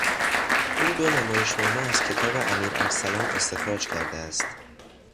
او دو نمایشنامه از کتاب امیر ارسلان استخراج کرده است.